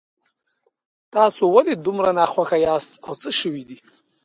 تاسو ولې دومره ناخوښه یاست او څه شوي دي